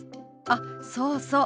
あっそうそう。